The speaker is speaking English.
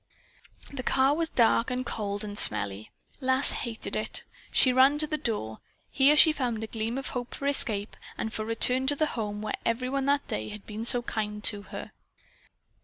The car was dark and cold and smelly. Lass hated it. She ran to its door. Here she found a gleam of hope for escape and for return to the home where every one that day had been so kind to her.